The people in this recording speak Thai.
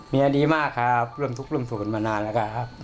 เมียดีมากครับเริ่มทุกข์เริ่มสูญมานานแล้วครับ